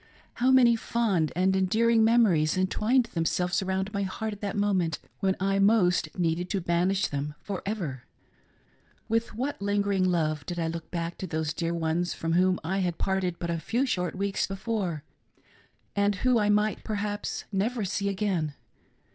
How many fond and endearing memories entwined themselves around my heart at that moment, when most I needed to banish them for ever ! With what lingering love did I look back to those dear ones from whom I had pairted but a few short weeks before, and who I might perhaps never see again